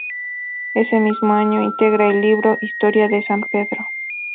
Ese mismo año integra el libro "Historia de San Pedro"'.